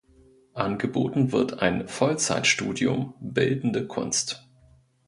Angeboten wird ein Vollzeitstudium Bildende Kunst.